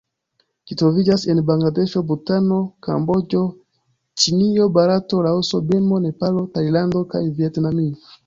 Ĝi troviĝas en Bangladeŝo, Butano, Kamboĝo, Ĉinio, Barato, Laoso, Birmo, Nepalo, Tajlando kaj Vjetnamio.